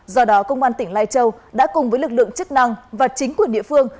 do đó công an tỉnh lai châu đã cùng với lực lượng chức năng và chính quyền địa phương